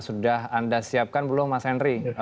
sudah anda siapkan belum mas henry